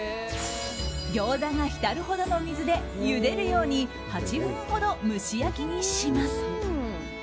餃子が浸るほどの水でゆでるように８分ほど蒸し焼きにします。